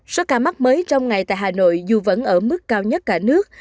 số ca mắc mới trong ngày tại hà nội dù vẫn ở mức cao nhất cả nước